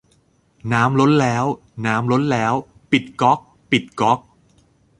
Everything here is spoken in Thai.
น้ำล้นแล้ว น้ำล้นแล้ว ปิดก๊อก ปิดก๊อก